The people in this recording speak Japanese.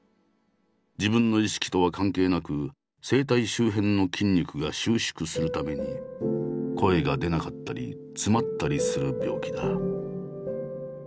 自分の意識とは関係なく声帯周辺の筋肉が収縮するために声が出なかったり詰まったりする病気だ。